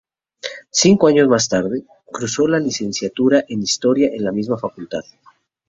Cinco años más tarde, cursó la licenciatura en Historia en la misma facultad.